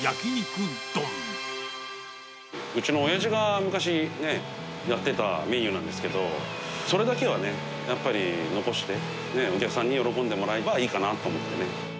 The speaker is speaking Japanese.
うちのおやじが昔やってたメニューなんですけど、それだけはね、やっぱり残して、お客さんに喜んでもらえればいいかなと思ってね。